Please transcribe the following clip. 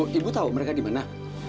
bu ibu tau mereka dimana